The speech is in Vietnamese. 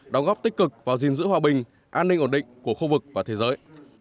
đóng góp tích cực vào gìn giữ hòa bình an ninh ổn định của khu vực và thế giới